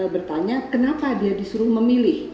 bertanya kenapa dia disuruh memilih